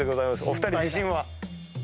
お二人自信は？